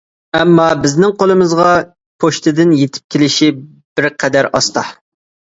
ئەمما بىزنىڭ قولىمىزغا پوچتىدىن يېتىپ كېلىشى بىرقەدەر ئاستا.